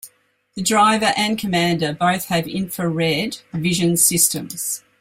The driver and commander both have infra-red vision systems.